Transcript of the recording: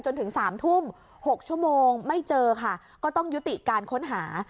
จนถึง๓ทุ่ม๖ชั่วโมงไม่เจอค่ะก็ต้องยุติการค้นหา